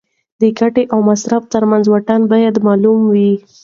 د ګټې او مصرف ترمنځ واټن باید معلوم وي.